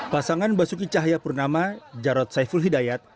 pasangan basuki cahaya purnama jarod saiful hidayat